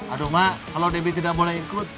aduh mak kalau debbie tidak boleh ikut